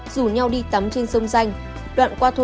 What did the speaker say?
rủ nhau đi tắm trên sông danh